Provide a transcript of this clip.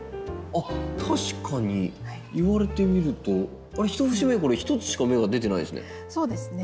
確かに言われてみると１節目は１つしか芽が出てないですね。